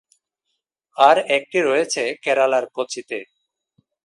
আর একটি রয়েছে কেরালার কোচিতে।